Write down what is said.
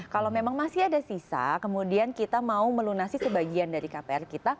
kalau memang masih ada sisa kemudian kita mau melunasi sebagian dari kpr kita